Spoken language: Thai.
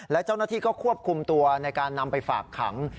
และเจ้าหน้าที่ก็ควบคุมตัวในการนำไปฝากขัง